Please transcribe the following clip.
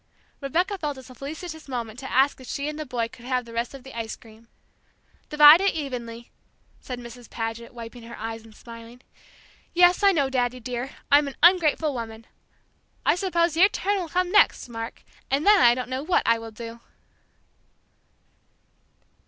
Rebecca felt this a felicitous moment to ask if she and the boys could have the rest of the ice cream. "Divide it evenly," said Mrs. Paget, wiping her eyes and smiling. "Yes, I know, Daddy dear, I'm an ungrateful woman! I suppose your turn will come next, Mark, and then I don't know what I will do!"